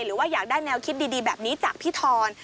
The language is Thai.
หรือว่าอยากได้แนวคิดดีแบบนี้จากพี่ทอน